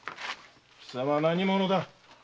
貴様何者だ？